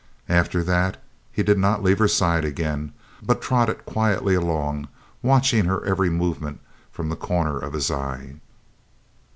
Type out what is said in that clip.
After that he did not leave her side again, but trotted quietly along, watching her every moment from the corner of his eye.